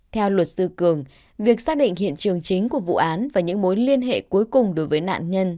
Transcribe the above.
theo luật sư cường việc xác định hiện trường chính của vụ án và những mối liên hệ cuối cùng đối với nạn nhân